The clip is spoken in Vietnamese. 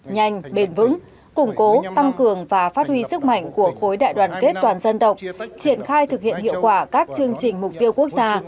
nhanh bền vững củng cố tăng cường và phát huy sức mạnh của khối đại đoàn kết toàn dân tộc triển khai thực hiện hiệu quả các chương trình mục tiêu quốc gia